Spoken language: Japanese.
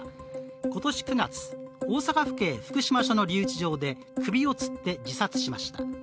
今年９月、大阪府警福島署の留置場で首をつって自殺しました。